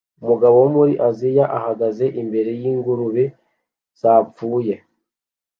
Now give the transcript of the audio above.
Umugabo wo muri Aziya ahagaze imbere yingurube zapfuye